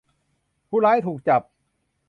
ผู้ร้ายถูกจับ